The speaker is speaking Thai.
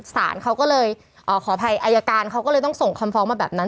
สารเขาก็เลยขออภัยอายการเขาก็เลยต้องส่งคำฟ้องมาแบบนั้น